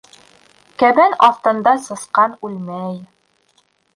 Кәбән аҫтында сысҡан үлмәй.